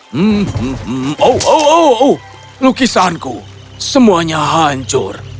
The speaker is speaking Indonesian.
hmm oh oh lukisanku semuanya hancur